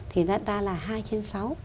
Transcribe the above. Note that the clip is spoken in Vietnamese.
thì ta là hai trên sáu